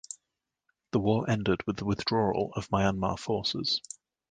The war ended with the withdrawal of Myanmar forces.